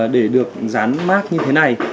để được dán mát như thế này